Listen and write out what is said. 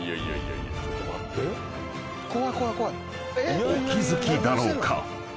［お気付きだろうか？］